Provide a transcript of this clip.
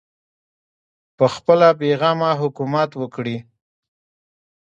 پخپله بې غمه حکومت وکړي